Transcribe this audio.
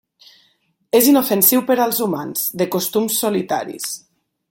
És inofensiu per als humans, de costums solitaris.